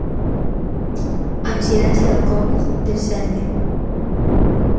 A incidencia da Covid descende.